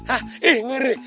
hah ih ngeri